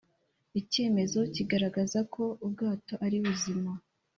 icyemezo kigaragaza ko ubwato ari buzima